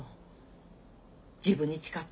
自分に誓ったの。